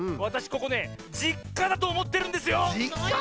ここね「じっか」だとおもってるんですよ！